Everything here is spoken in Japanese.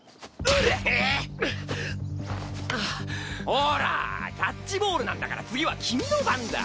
ほらキャッチボールなんだから次は君の番だ！